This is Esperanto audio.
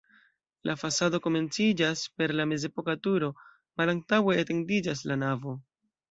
La fasado komenciĝas per la mezepoka turo, malantaŭe etendiĝas la navo.